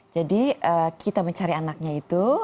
kita mencari anaknya itu